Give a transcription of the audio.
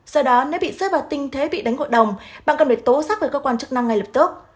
sau đó nếu bị xếp vào tinh thế bị đánh hội đồng bạn cần phải tố giác với cơ quan chức năng ngay lập tức